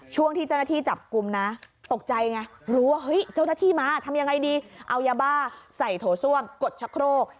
ช่วงที่เจ้าหน้าที่จับกลุ่มนะตกใจไงรู้ว่าเฮ้ยเจ้าหน้าที่มาทำยังไงดีเอายาบ้าใส่โถส้วมกดชะโครก